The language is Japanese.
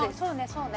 そうね